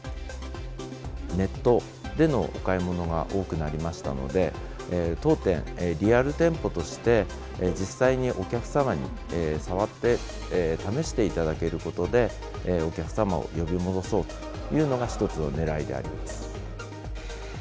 ネットでのお買い物が多くなりましたので、当店、リアル店舗として、実際にお客様に触って試していただけることで、お客様を呼び戻そうというのが、１つの狙いであります。